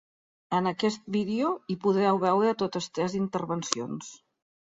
En aquest vídeo, hi podreu veure totes tres intervencions.